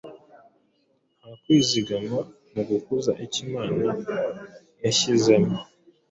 nta kwizigama mu gukuza icyo Imana yanshyizemo.